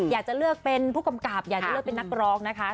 อยากจะเลือกเป็นผู้กำกับอยากจะเลือกเป็นนักร้องนะคะ